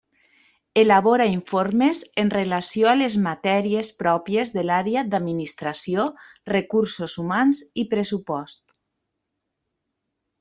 Elabora informes en relació a les matèries pròpies de l'àrea d'Administració, Recursos Humans i pressupost.